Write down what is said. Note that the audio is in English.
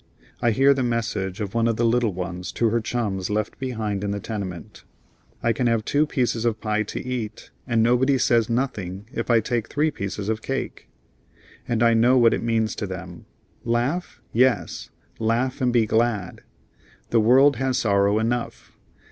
I hear the message of one of the little ones to her chums left behind in the tenement: "I can have two pieces of pie to eat, and nobody says nothing if I take three pieces of cake"; and I know what it means to them. Laugh? Yes! laugh and be glad. The world has sorrow enough.